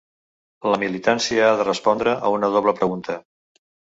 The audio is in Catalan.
La militància ha de respondre a una doble pregunta.